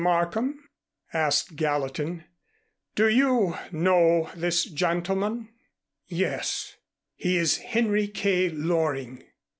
Markham," asked Gallatin, "do you know this gentleman?" "Yes. He is Henry K. Loring."